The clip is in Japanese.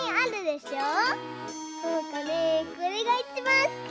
おうかねこれがいちばんすき！